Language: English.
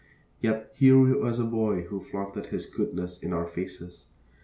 Yet here was a boy who flaunted his goodness in our faces.